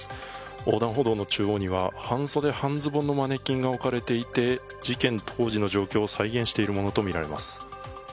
横断歩道の中央には半袖半ズボンのマネキンが置かれていて事件当時の状況を再現しているものとみられます。